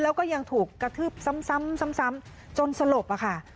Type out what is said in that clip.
แล้วก็ยังถูกกระทืบซ้ำจนสลบอะค่ะ